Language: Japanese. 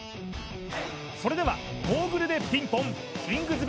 それではモーグルｄｅピンポンキングズ